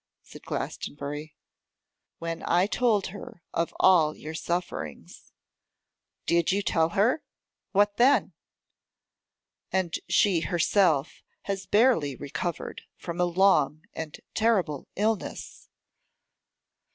said Glastonbury. 'When I told her of all your sufferings ' 'Did you tell her? What then?' 'And she herself has barely recovered from a long and terrible illness.